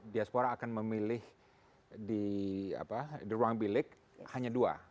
diaspora akan memilih di ruang bilik hanya dua